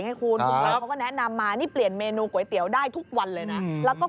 เขาก็แนะนำมานี่เปลี่ยนเมนูก๋วยเตี๋ยวได้ทุกวันเลยนะแล้วก็